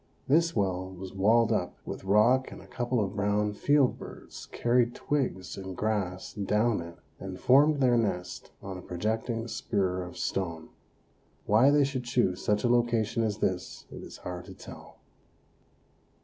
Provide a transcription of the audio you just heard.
This well was walled up with rock and a couple of brown field birds carried twigs and grass down it and formed their nest on a projecting spur of stone. Why they should choose such a location as this it is hard to tell.